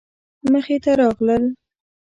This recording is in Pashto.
مخې ته راغلل.